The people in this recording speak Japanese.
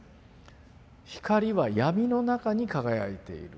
「光はやみの中に輝いている」。